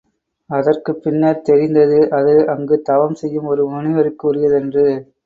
அதற்குப் பின்னர் தெரிந்தது அது அங்குத் தவம் செய்யும் ஒரு முனிவருக்கு உரியது என்று.